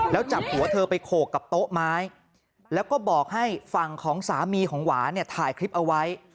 แล้วจับหัวเธอไปโขกกับโต๊ะไม้แล้วก็บอกให้ฝั่งของสามีของหวานเนี่ยถ่ายคลิปเอาไว้